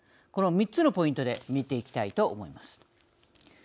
この三つのポイントで見ていきたいと思います。